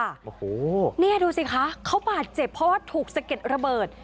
โอ้โหเนี่ยดูสิคะเขาบาดเจ็บเพราะว่าถูกสะเก็ดระเบิด